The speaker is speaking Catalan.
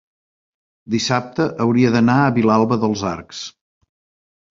dissabte hauria d'anar a Vilalba dels Arcs.